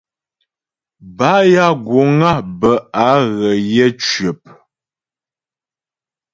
Bâ ya guŋ á bə́ é ghə yə̌ cwəp.